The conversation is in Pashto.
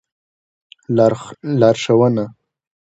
لار ښوونه